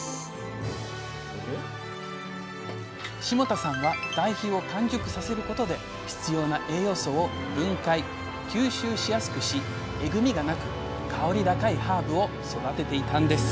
霜多さんは堆肥を完熟させることで必要な栄養素を分解吸収しやすくしえぐみがなく香り高いハーブを育てていたんです